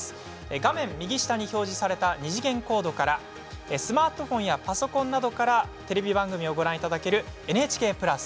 画面右下に表示された二次元コードからスマートフォンやパソコンなどからご覧いただけるＮＨＫプラス。